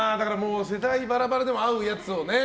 世代バラバラでも合うやつをね。